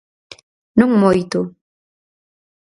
_Non moito...